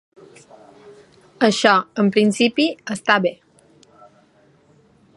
Això, en principi, està bé.